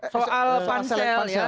soal pansel ya